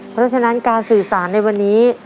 เพราะฉะนั้นการสื่อสารในวันนี้